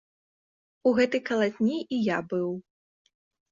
У гэтай калатні і я быў.